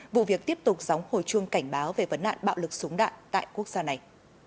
vụ việc tiếp tục gióng hồi chuông cảnh báo về vấn nạn bạo lực súng đạn tại quốc gia này